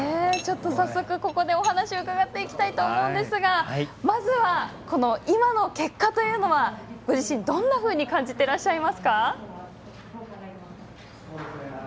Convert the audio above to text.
早速お話を伺っていきたいと思うんですがまずは、今の結果というのはご自身、どんなふうに感じていらっしゃいますか？